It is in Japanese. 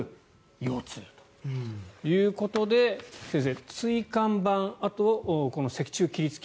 腰痛ということで先生、椎間板あとは脊柱起立筋。